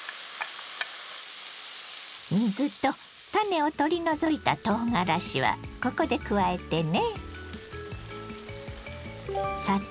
水と種を取り除いたとうがらしはここで加えてね。